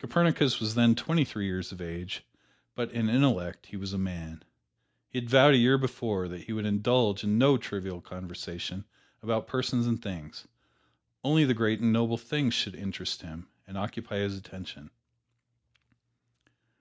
Copernicus was then twenty three years of age, but in intellect he was a man. He had vowed a year before that he would indulge in no trivial conversation about persons or things only the great and noble themes should interest him and occupy his attention.